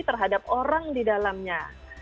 terhadap orang di dalamnya